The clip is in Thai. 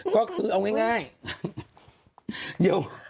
ก็คือเอาง่าย